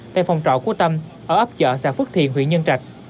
tại phòng trọ cố tâm ở ấp chợ xã phước thiền huyện nhân trạch